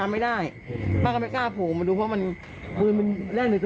ไม่มีไม่มีชะล้อเลย